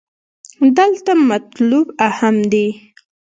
دلته مطلوب اهم دې.